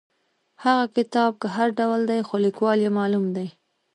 هغه کتاب که هر ډول دی خو لیکوال یې معلوم دی.